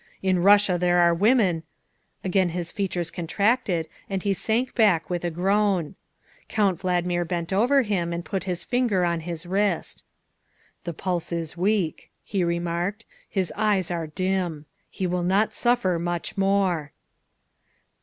In Russia there are women Again his features contracted and he sank back with a groan. Count Valdmir bent over him and put his finger on his wrist. " The pulse is weak," he remarked, " his eyes are dim. He will not suffer much more."